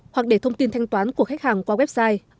hoặc để thông tin thanh toán của khách hàng qua website